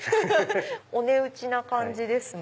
お値打ちな感じですね。